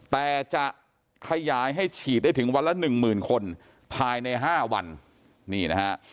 แต่จะขยายให้ฉีดได้ถึงวันละ๑๐๐๐๐คนภายใน๕วันนี่นะฮะ